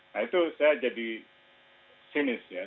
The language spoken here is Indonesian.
nah itu saya jadi sinis ya